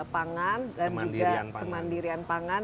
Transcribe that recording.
pangan kemandirian pangan